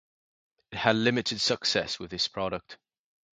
It had limited success with this product.